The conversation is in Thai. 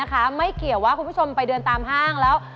ราคาเต็มนะคะไม่เกี่ยวว่าคุณผู้ชมไปเดือนตามห้างแล้ว